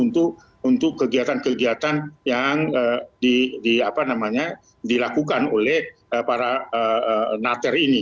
jadi ini adalah hal yang harus dilakukan oleh para nater ini